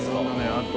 あと。